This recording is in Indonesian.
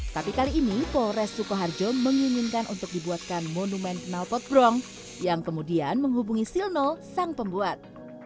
tapi kali ini polres sukoharjo menginginkan untuk dibuatkan monumen kenalpot bronk yang kemudian menghubungi silno sang pembuat